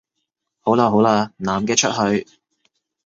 好喇好喇，男嘅出去